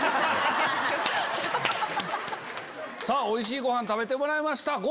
おいしいごはん食べてもらいました。